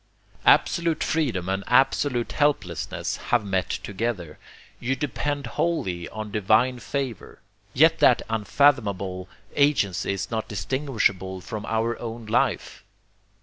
Absolute freedom and absolute helplessness have met together: you depend wholly on divine favour, yet that unfathomable agency is not distinguishable from your own life.